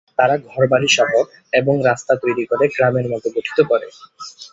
তারা ঘর-বাড়িসহ এবং রাস্তা তৈরি করে গ্রামের মত গঠিত করে।